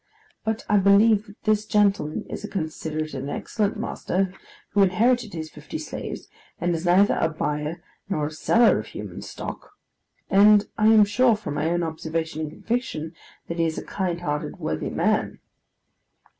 But I believe that this gentleman is a considerate and excellent master, who inherited his fifty slaves, and is neither a buyer nor a seller of human stock; and I am sure, from my own observation and conviction, that he is a kind hearted, worthy man.